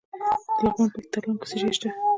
د لغمان په مهترلام کې څه شی شته؟